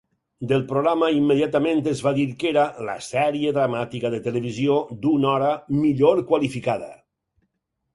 Del programa immediatament es va dir que era "la sèrie dramàtica de televisió d'una hora millor qualificada".